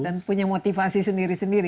dan punya motivasi sendiri sendiri